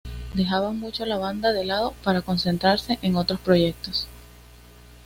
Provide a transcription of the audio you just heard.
Dejaban mucho la banda de lado para concentrarse en otros proyectos.